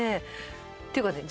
っていうかね。